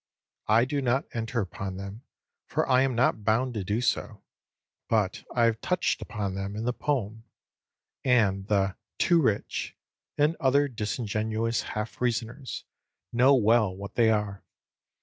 I do not enter upon them for I am not bound to do so; but I have touched upon them in the poem; and the "too rich," and other disingenuous half reasoners, know well what they are.